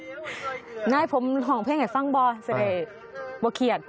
นายผมร้องเพลงให้ฟังบ่เสร็จไม่เครียด